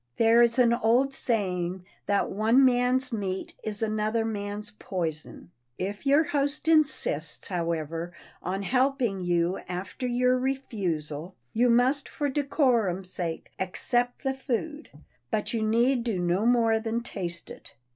There is an old saying that one man's meat is another man's poison. If your host insists, however, on helping you after your refusal, you must for decorum's sake accept the food but you need do no more than taste it.